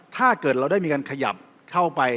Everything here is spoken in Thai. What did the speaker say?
ถ้าเกิดเราได้มีการขยับเข้าไป